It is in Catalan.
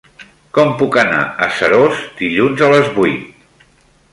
Com puc anar a Seròs dilluns a les vuit?